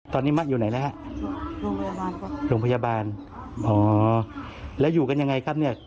ตอนนี้มะอยู่ไหนแล้วฮะโรงพยาบาลโรงพยาบาลอ๋อแล้วอยู่กันยังไงครับเนี่ย